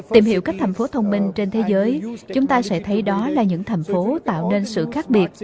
tìm hiểu các thành phố thông minh trên thế giới chúng ta sẽ thấy đó là những thành phố tạo nên sự khác biệt